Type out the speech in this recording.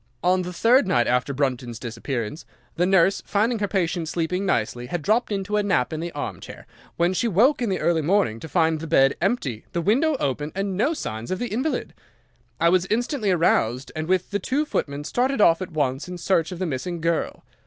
On the third night after Brunton's disappearance, the nurse, finding her patient sleeping nicely, had dropped into a nap in the armchair, when she woke in the early morning to find the bed empty, the window open, and no signs of the invalid. I was instantly aroused, and, with the two footmen, started off at once in search of the missing girl.